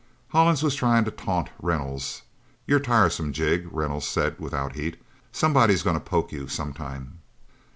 Hollins was trying to taunt Reynolds. "You're tiresome, Jig," Reynolds said without heat. "Somebody's going to poke you sometime..."